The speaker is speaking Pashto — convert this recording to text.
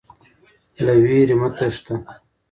له ویرې مه تښته.